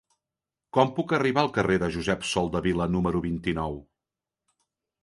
Com puc arribar al carrer de Josep Soldevila número vint-i-nou?